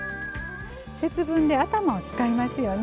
節分で頭を使いますよね。